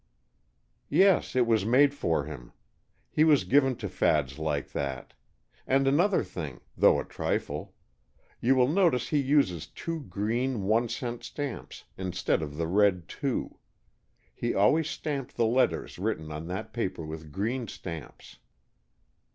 "Yes. It was made for him. He was given to fads like that. And another thing, though a trifle. You will notice he uses two green one cent stamps, instead of the red two. He always stamped the letters written on that paper with green stamps."